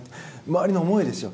周りの思いですよ。